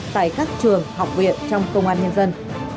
tại các trường học viện trong công an nhân dân